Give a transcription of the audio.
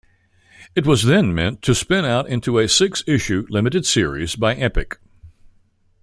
It was then meant to spin out into a six-issue limited series by Epic.